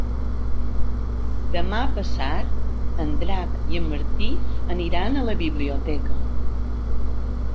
Demà passat en Drac i en Martí aniran a la biblioteca.